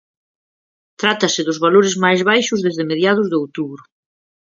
Trátase dos valores máis baixos desde mediados de outubro.